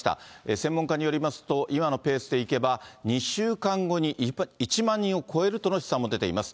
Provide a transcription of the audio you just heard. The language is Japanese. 専門家によりますと、今のペースでいけば、２週間後に１万人を超えるとの試算も出ています。